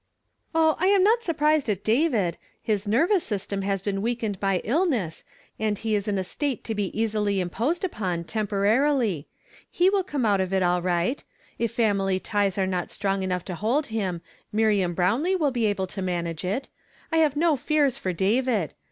" Oh, I am not surprised at David ; his nervous system has been weakened by illness, and he is ill a state to be easily imposed upon, temporarily. He will come out of it all right ; if family ties are not strong enough to hold him, Miriam Brownlee will be able to manage it. I have no fears for David.